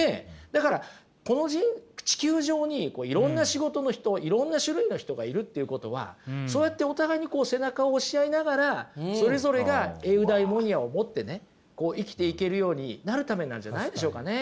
だからこの地球上にいろんな仕事の人いろんな種類の人がいるっていうことはそうやってお互いにこう背中を押し合いながらそれぞれがエウダイモニアを持ってねこう生きていけるようになるためなんじゃないでしょうかね。